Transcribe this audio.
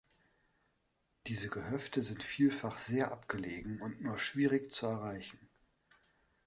Diese Gehöfte sind vielfach sehr abgelegen und nur schwierig zu erreichen.